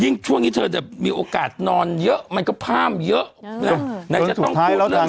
ยิ่งช่วงนี้เธอจะมีโอกาสนอนเยอะมันก็พร่ำเยอะเออส่วนสุดท้ายแล้วจัง